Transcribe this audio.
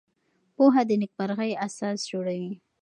پوهه د نېکمرغۍ اساس جوړوي.